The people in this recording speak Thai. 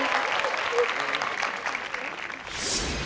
ถูกครับ